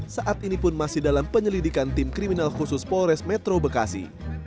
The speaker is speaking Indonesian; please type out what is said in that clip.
saat ini pun masih dalam penyelidikan tim kriminal khusus polres metro bekasi